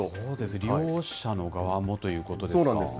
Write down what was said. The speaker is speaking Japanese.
利用者の側もということですか。